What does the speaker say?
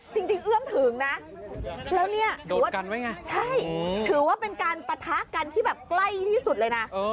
จริงเอื้อมถึงนะแล้วเนี้ยโดดกันไว้ไงใช่ถือว่าเป็นการประทะกันที่แบบใกล้ที่ที่สุดเลยน่ะ